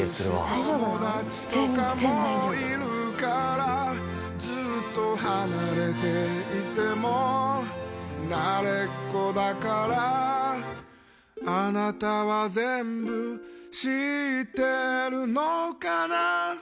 友達とかもいるからずっと離れていても慣れっこだからあなたは全部知ってるのかな